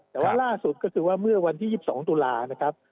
แต่ว่าล่าสุดก็คือว่าเมื่อวันที่๒๒ตุลานะครับ